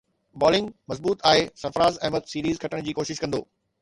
bowling مضبوط آهي Sarfaraz Ahmed series کٽڻ جي ڪوشش ڪندو